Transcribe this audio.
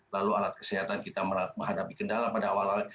lalu alat kesehatan kita menghadapi kendala pada awal awal